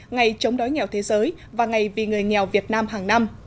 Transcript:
ngày chống đói nghèo thế giới và ngày vì người nghèo việt nam hàng năm